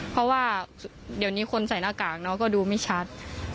เพราะว่าเดี๋ยวนี้คนใส่หน้ากากน้องก็ดูไม่ชัด